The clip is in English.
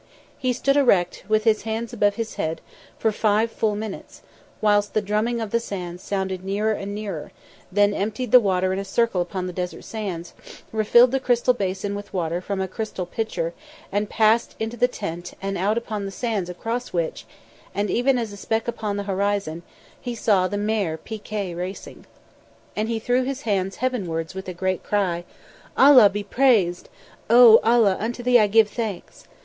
He stood erect, with his hands above his head, for five full minutes, whilst the drumming of the sands sounded nearer and nearer, then emptied the water in a circle upon the desert sands, refilled the crystal basin with water from a crystal pitcher and passed into the tent and out upon the sands across which, and even as a speck upon the horizon, he saw the mare Pi Kay racing. And he threw his hands heavenwards with a great cry: "Allah be praised! Oh, Allah, unto thee I give thanks!"